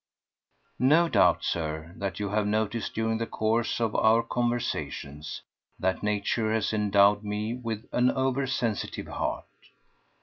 No doubt, Sir, that you have noticed during the course of our conversations that Nature has endowed me with an over sensitive heart.